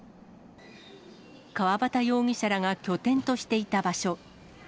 川端容疑者らが拠点としていた場所。